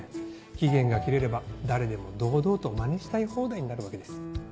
期限が切れれば誰でも堂々とマネしたい放題になるわけです。